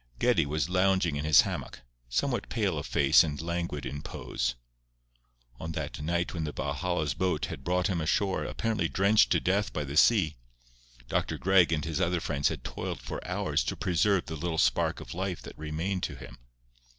Geddie was lounging in his hammock, somewhat pale of face and languid in pose. On that night when the Valhalla's boat had brought him ashore apparently drenched to death by the sea, Doctor Gregg and his other friends had toiled for hours to preserve the little spark of life that remained to him.